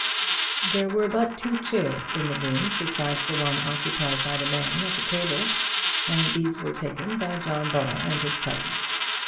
There were but two chairs in the room besides the one occupied by the man at the table, and these were taken by John Ball and his cousin.